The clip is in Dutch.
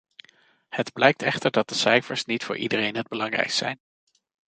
Het blijkt echter dat de cijfers niet voor iedereen het belangrijkst zijn.